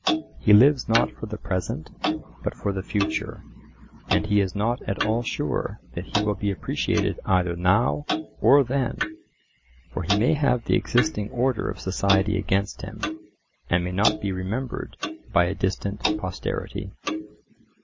He lives not for the present, but for the future, and he is not at all sure that he will be appreciated either now or then. For he may have the existing order of society against him, and may not be remembered by a distant posterity.